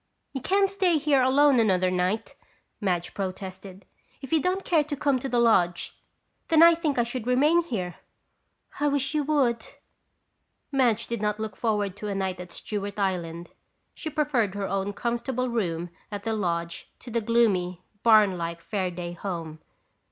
"You can't stay here alone another night," Madge protested. "If you don't care to come to the lodge, then I think I should remain here." "I wish you would!" Madge did not look forward to a night at Stewart Island. She preferred her own comfortable room at the lodge to the gloomy, barn like Fairaday home.